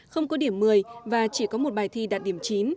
không có điểm một mươi và chỉ có một bài thi đạt điểm chín